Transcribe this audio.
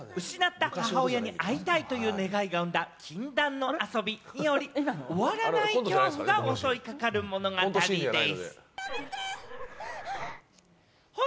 失った母親に会いたいという願いが生んだ禁断のあそびにより、終わらない恐怖が襲い掛かる物語なんでぃす！